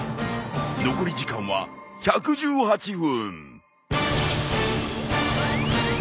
［残り時間は１１８分］